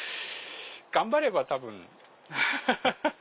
頑張れば多分ハハハハ。